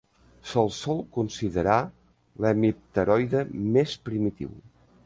Se'ls sol considerar l'hemipteroide més primitiu.